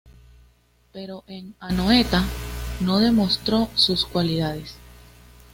Pero en Anoeta no demostró sus cualidades.